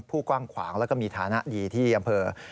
ผู้กว้างขวางแล้วก็มีฐานะดีที่อำเภอ